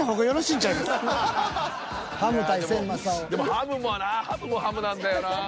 でもハムもなぁハムもハムなんだよなぁ。